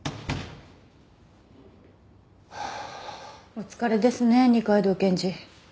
お疲れですね二階堂検事。